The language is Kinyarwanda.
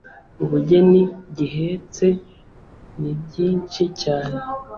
ubugeni gihetse nibyinshi cyane